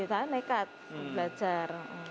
saya nekat belajar